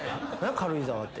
軽井沢って。